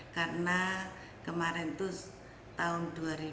karena kemarin itu tahun dua ribu sembilan belas